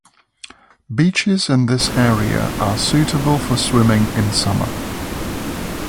Beaches in this area are suitable for swimming in summer.